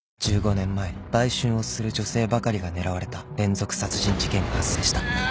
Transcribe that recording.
［１５年前売春をする女性ばかりが狙われた連続殺人事件が発生した］